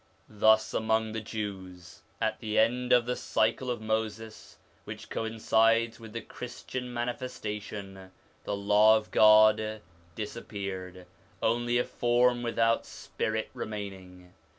Thus among the Jews, at the end of the cycle of Moses which coincides with the Christian manifestation, the Law of God disappeared, only a form without spirit remaining.